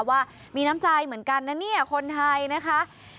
ว่ามีน้ำใจเหมือนกันนะเนี่ยคนไทยนะคะ